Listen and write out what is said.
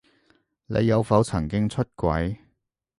你有否曾經出軌？